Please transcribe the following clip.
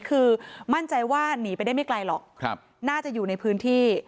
คือมั่นใจว่าหนีไปได้ไม่ไกลหรอกน่าจะอยู่ในพื้นที่